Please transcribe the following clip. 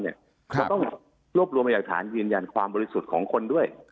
ก็ต้องรวบรวมพยากฐานยืนยันความบริสุทธิ์ของคนด้วย